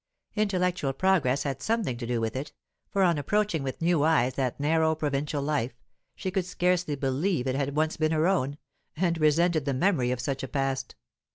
Intellectual progress had something to do with it, for on approaching with new eyes that narrow provincial life, she could scarcely believe it had once been her own, and resented the memory of such a past.